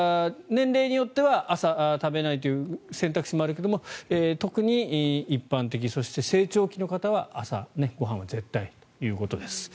年齢によっては朝、食べないという選択肢もあるけれど特に一般的そして、成長期の方は朝、ご飯は絶対ということです。